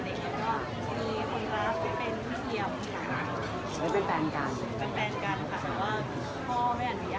เรื่องแรกกันเลยทั้งคู่เลยน่ะคะ